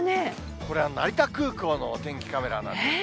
これは成田空港のお天気カメラなんです。